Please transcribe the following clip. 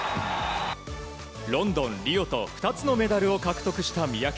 ロンドン、リオと２つのメダルを獲得した三宅。